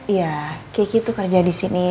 iya kiki tuh kerja di sini